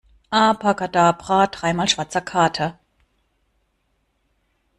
Abrakadabra, dreimal schwarzer Kater!